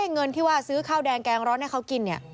เงินที่ว่าซื้อข้าวแดงแกงร้อนให้เขากินเนี่ย